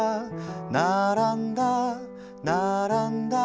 「ならんだならんだ」